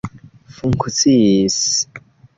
funkciis